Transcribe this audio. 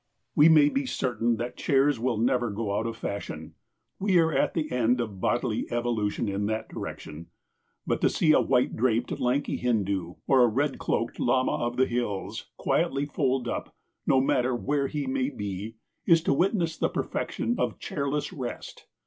We may be certain that chairs will never go out of fashion. We are at the end of bodily evolution in that direction. But to see a white draped, lanky Hindu, or a red cloaked lama of the hills, quietly fold up, no matter where he may be, is to witness the perfection of chairless rest.